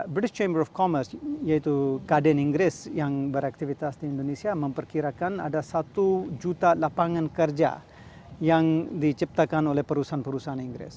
british chamber of commerce yaitu kaden inggris yang beraktivitas di indonesia memperkirakan ada satu juta lapangan kerja yang diciptakan oleh perusahaan perusahaan inggris